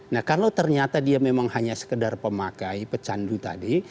nah kalau ternyata dia memang hanya sekedar pemakai pecandu tadi